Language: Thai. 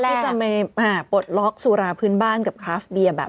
งี้ชอบที่จะมาปลดล็อคสุราค์พื้นบ้านกับคาร์ฟเบียร์แบบ